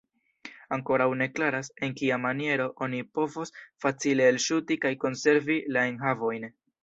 Ankoraŭ ne klaras, en kia maniero oni povos facile elŝuti kaj konservi la enhavojn.